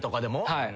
はい。